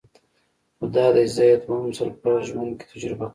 خو دادی زه یې دویم ځل په ژوند کې تجربه کوم.